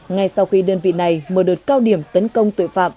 ngay sau khi đơn vị này mở đợt cao điểm tấn công tội phạm